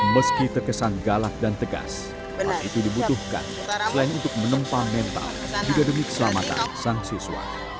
meski terkesan galak dan tegas hal itu dibutuhkan selain untuk menempa mental juga demi keselamatan sang siswa